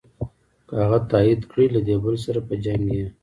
که هغه تایید کړې له دې بل سره په جنګ یې.